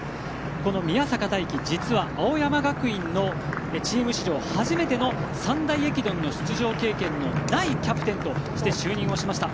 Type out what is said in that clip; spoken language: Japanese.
この宮坂大器、実は青山学院のチーム史上初めての三大駅伝の出場経験のないキャプテンとして就任をしました。